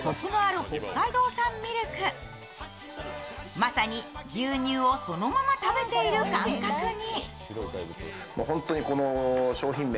まさに牛乳をそのまま食べている感覚に。